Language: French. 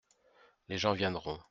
Les gens viendront.